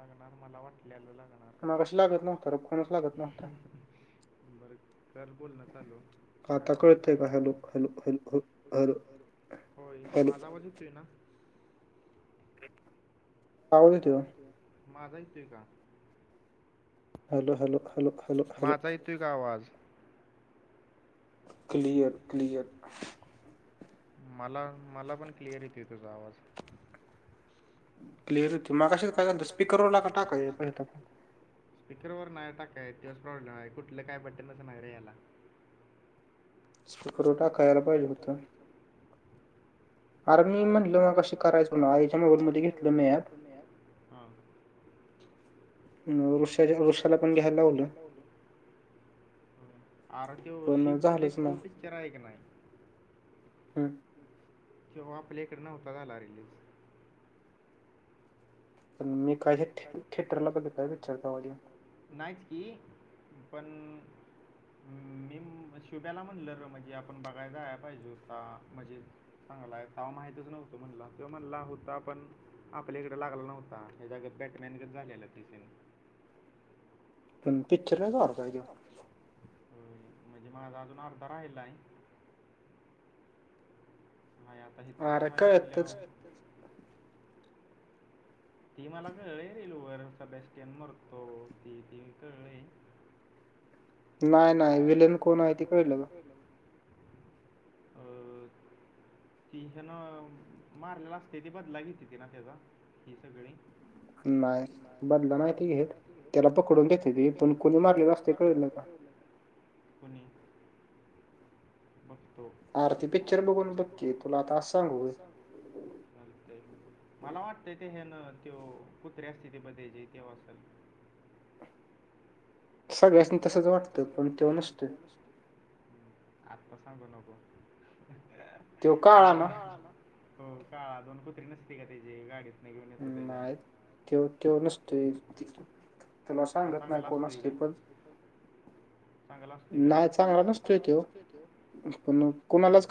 लग्णार मला वाटलेलं लाग्णार. मग कशी लागत नव्हत रोखोच लागत नव्हता. बर. तर बोलणं चालू ह टॉपिक आहे का. होय माझा बस तू आहे ना. ते. माज तु का. Hello hello hello hello hello. अ का आवाज. Clear clear. मला मला पण क्लिअर येतेय तुझा आवाज. क्लिअर होती मग अ काय स्पीकरवर ला टाकायहि पिकरवर नाही टाकाय ते दिवस प्रॉब्लेम आहे कुठलं काय बटन नाही ना रे याला. पकरोठा खायला पाहिज होतो. [unintelligible] ृष वृषाला पण घ्यायला लावलं. आर तो [inaudible] पिक्चर आहे की नाही. हम्म. तेव्हा प्ले करना नव्हता झाला रिलीज. मी काय थेट थेटरला बघितलाय पिक्चर तेव्हा तो. नाहीच की पण मी शुब्याला म्हणलं र म्हणजे आपण बघाय जायला पाहिजे होता म्हणजे चांगला आहे तवा माहितच नव्हतो म्हणला तेव्हा म्हणला होता पण आपल्या इकडे लागला नव्हता हे जाग बॅटमॅन झालेला तिसरी [unintelligible] म्हणजे माझा अजून अर्धा राहिला आहे. हा आता इथ नाही म्हणल्यावर ती मला कळळे रेल वगरचा बस्टेनड मरतो ती ती मी कळले. नाही नाही विलेन कोण आहे ती कळेलं ग. अ. ती हेन मारलेला असते ते बदला घेते त ना त्याचा ही सगळी? [unintelligible] त्याला पकडून घेते प कुणी मारलेला असतय कळत नाही. पुणे. [inaudible] अ ते मला वाटतंय ते हे ना त कुत्रे असतील ते बध्याचेे तेव्हा असल. सगळ्यासनी तसंच वाटतं पण तो नसतोय. आता सांगू नको मग [unintelligible] हो का दोन कुत्री नसते का त्याचीे गाडीत [unintelligible] चांगल असतय काय? चांगला असते काय ते? नाही चांगला नसते ते.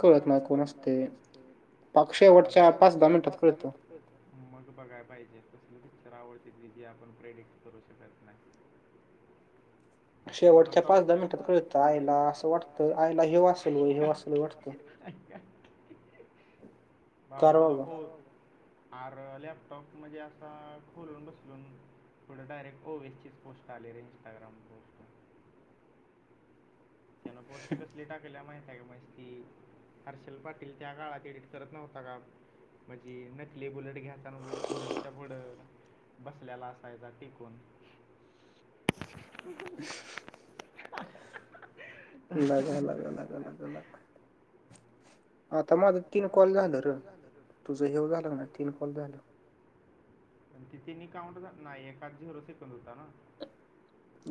कोणालाच कळत नाही कोण असतय ते. मग शेवटच्या पाच दहा मिनिटात कळत. मग बघाय पाहिजे तसले पिक्चर आवडते की जे आपण प्रेडिक्ट करू शकत. [inaudible] हा हा हा. भावा तुला आर लॅपटॉप म्हणजे असा खोलून बसलून थोड डायेक्टओ ओ एल चीच पोस्ट आली रे इंस्टाग्राम त्यान पोस्ट कसली टाकल्या माहित आहे का मस्ती हारशल पाटील त्या काळात एडिट करत नव्हता का. म्हणजी नकली बुलेट घ्यायता ना बुलेटच्या पुढ्या बसल्याला असायचा, टेकून. लागला, लागला, लागला, लागला, लागला. आता माझं तीन कॉल झालं रं. तुझं हेव झालं का नाही, तीन कॉल झालं. पण ते तिन्ही काऊंट धरत नाही, एकात झिरो सेकंद होता ना!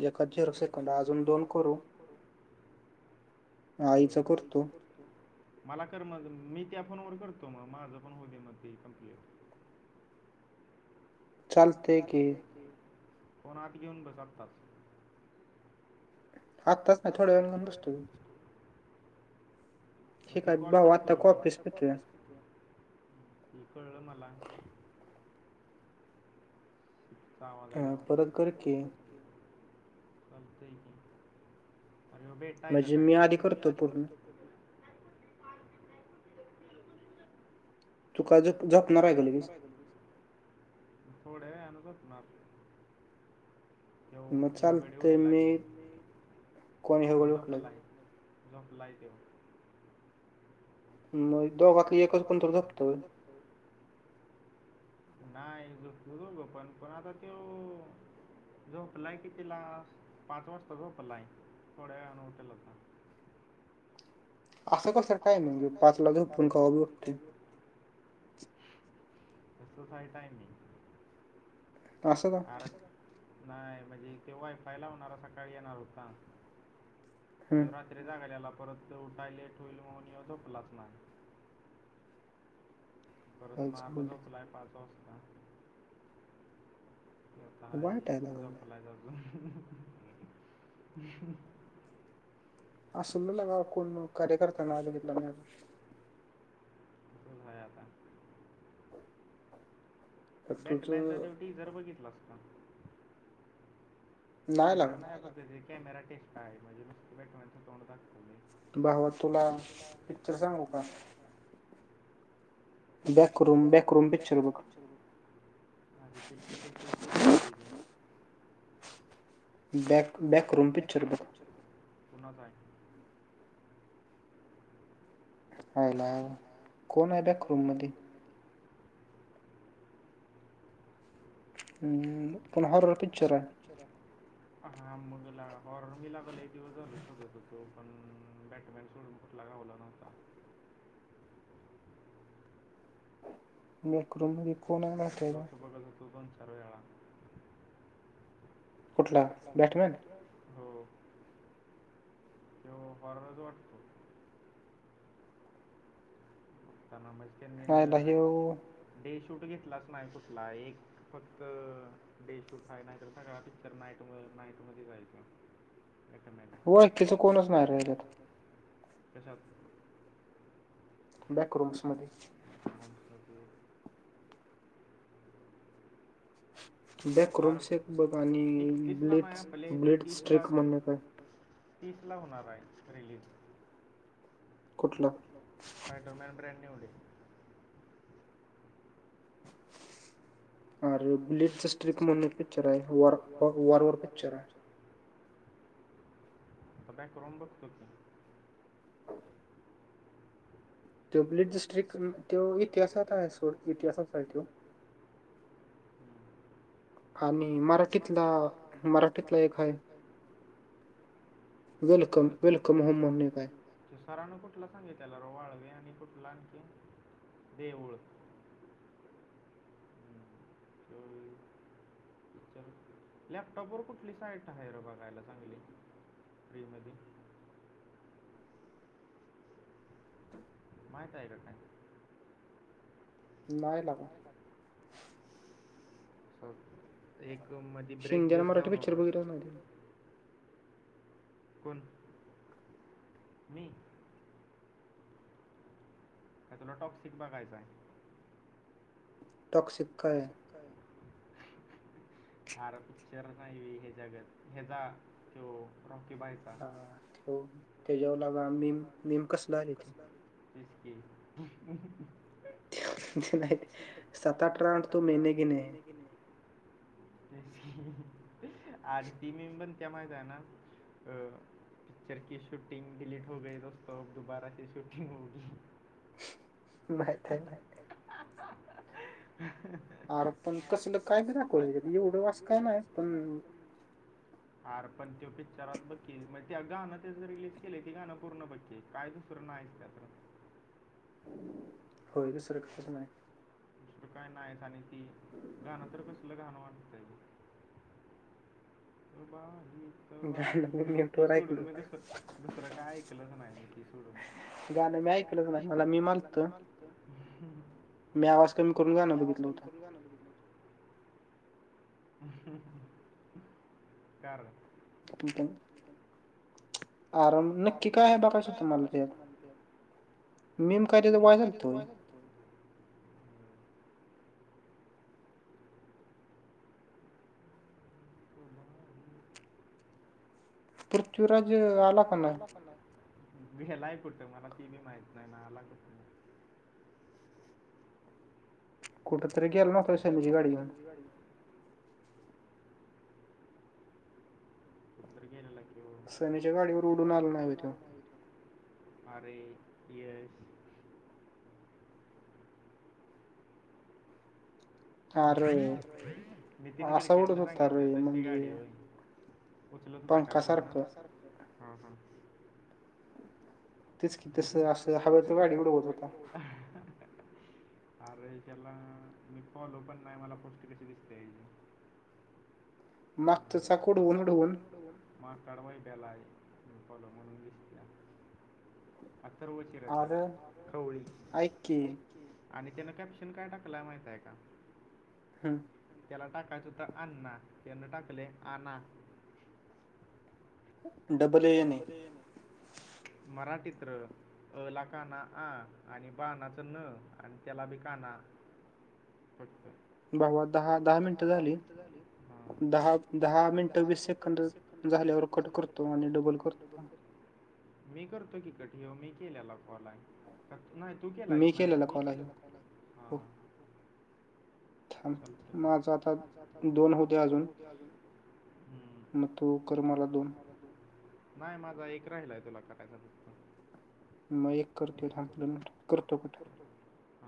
एकात झिरो सेकंड, अजून दोन करू? होय, आईचा करतो. मला कर मग. मी त्या फोनवर करतो मग, माझं पण होवू दे मग ते कंप्लीट. चालतंय की, फोन आत घेऊन बस आत्ताच. आत्ताच नाही, थोड्या वेळानं घेऊन बसतो की. मग ते कॉल कधी करू? भावा आत्ता ऑफीस सुटलंय, हं कळलं मला. नुसता आवाज आल्यावर, परत कर की. चालतंय की, अरे ह्यो भेटाय आला आहे का काय? म्हणजे मी आधी करतो पूर्ण. तु का, ज-झोपणार आहे का लगेच? थोडे्या वेळानंच बसणार. ह्यो-ह्यो गडी उठला कि, तो झोपला आहे. झोपलाय त्यो. मग दोघातलं एकच कोण तर झोपतो होय. नाही झोपतो दोघं पण पण आता त्यो झोपलाय कितीला पाच वाजता झोपला आहे. थोड्या वेळानं उठल आता. असं कसं टायमिंग जे पाचला झोपून कवा बी उठतंय. तसंच हाय टायमिंग. आरं नाही म्हणजे ते वाय-फाय लावणारा सकाळी येणार होता. ह्यो रात्री जागलेला परत त्यो उठाय लेट होईल म्हणून ह्यो जोपलाच नाही. परत मग आता झोपलाय पाच वाजता. आता आहे हे, झोपलायच अजून. [inaudible] असलं लेका कोण कार्यकर्ता नाही बघितला मी अजून. नाही आला. बॅटमॅनचा त्यो टीजर बघितलास का. टीजर नाही अजून, [unintelligible] त्याची कॅमेरा टेस्ट आहे म्हणजे नुसतं बॅटमॅनचं तोंड दाखवलंय. भावा तुला पिक्चर सांगू का. बॅकरूम, बॅकरूम पिक्चर बघ. माझे शेल्फ, इफेक्टिव्ह पूर्ण होऊ दे गं. बॅक-बॅकरूम पिक्चर बघ. कुणाचा आहे. आयला कोण आहे बॅक रूम मध्ये. हम्म् पण हॉरर पिक्चर आहे. हा, मग लागला. [inaudible] हॉरर मी ला अगं लई दिवस झालं शोधत होतो पण बॅटमॅन सोडून कुठला घावला नव्हता. मेकरूम. बती वक्त [inaudible] बघत होतो दोन-चार वेळा कुठला? बॅटमॅन. हो, त्यो हॉररच वाटतो [inaudible] त्यांना म्हणजे त्यांनी डे शूट घेतलाच नाही कुठला एक फक्त डे शूट अ आहे, नाही तर सगळा पिक्चर नाईटमूळं नाईट मध्येच आहे तो. [inaudible] ओळखीचं कोणच नाही रे ह्याच्यात. कशात. बॅकरूम्स मध्ये. [inaudible] आरं एकतीसला, मग आपल्या इथं तीसला [inaudible] तीस ला होणार आहे. रिलीज. कुठला. पॅट्रोलमॅन [unintelligible] ब्रॅडनीवे. अरे ब्ल्यू चा स्ट्रीप म्हणून एक पिक्च वार आहेरर पिक्चर आहे. आता बॅक रून बघतो की. तो बली डिस्ट्रिकट तो इतिहासात आहे सोड इतिहासात आहे तो. मराठीतला मराठीत का येत नाही. वकम वक आ [inaudible] सरांन कुठला सांगितला र वाळवे आणि कुठला आणखी देऊळ. तर [inaudible] तर लॅपटॉपवर कुठली साईट आहे र बघायला चांगली. फ्री मध्ये. माहित आहे का काय. नाही लागा. हो एक मधी ब्रेक घेत जाऊ नकोस. कोण मी. का तुला टॉक्सिक बघ कायचय हाय. टॉक्सिकका आहे. का. फार पिक्चर नाही ह जगत ह्याचा तो रॉकी बायचा. ह त्याच्यावर ला मे मेम कसलं आहेथे. तस क. सता ट्रट त नले ग नाही. आरतीी मेंबन. त्यामुळेग जना पि्चरकीी शूट. शटिंग डलीट हो गय दोस्तो दुबाराची शूटिंग हो. माय नाही. ह [unintelligible] अर पण कसलं काय बी दाखवलंच्या एवढं अससं काय नाही पण. हर पण त पिक्चरात बघकी म त्या गाणं तेच रिलीज केले ती गाणं पूर्ण बकी. कायदु सुरण ना ऐेतते आत. होय का सुरक्षाच नाही आहे. का नाहीस ती गान तर कसलं गान वाटतली. रुबाही. तर बा ही ती सोडून मी दस दुसरं काय ऐकलंच नाही मी ती सोडून. मी ऐकलं मला मी मागतो.. मी आवाज कमी करून जा ना बघितलं. कर नलग. घर. त प. आराम नक्की काय आहे बघयचं तम्हाला तेत. मीम काय तथ बायल तोय. ह ह. रा आला व्यायलाय कटतं मला ती बी माहित नाही ना आला. कुठं तरी गेला नाो सैनची गाडीऊन. वाडी. कुर गनड आ. अे एयस. नितीन गडकरीन सांगितलं तशी गाडी होई. उचल त दा काय फट हा हा. अस ख तगत. सच्याला मी फॉलो पण नाही मला पौष्टिक अशी दिसते याची लागत कुडवंडवून माग कढवाई बलय फल उून दिसते आहे अथर्वचीरत्या खवळी आणि त्यान कायपेशन काय टाकलाय माहिित आहे का हम् त्याला टाकायचं तर आण्णा त्यान टाकले आण डबल येयणे मराठीत अला काना अ आणि बाणाचं न आणि त्याला बी काना सत्त बाबा दहा दहा मिनिट झाली दहा दहा मिनटं बीसेेडर जाािवर कट करुरतव बोलतर मी करतो की कठी हो मी केल्याला कॉलयक्त तू केला सनाय मीेलेला हां हां ल आता आता दोन होते अजून मग तू कर मला दोन नाय माझा एक राहिलाय तुला करायचा मग एक करत्यो थांब दोन मिनिट करतो कट